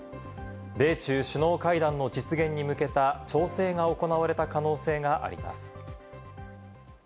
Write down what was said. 米中首脳会談の実現に向けた調整が行われた可能性があります。